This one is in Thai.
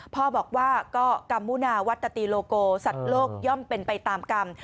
พ่อบอกว่าก็กัมมุนาวัตตีโลโกสัตว์โลกย่อมเป็นไปตามกรรม